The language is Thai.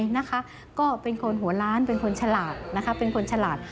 อาจารย์ปีชาเป็นอย่างไรนะคะก็เป็นคนหัวล้านเป็นคนฉลาด